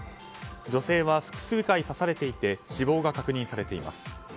女性は複数回刺されていて死亡が確認されています。